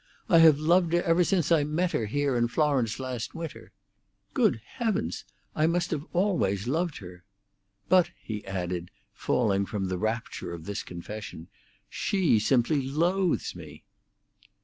I have loved her ever since I met her here in Florence last winter. Good heavens! I must have always loved her! But," he added, falling from the rapture of this confession, "she simply loathes me!"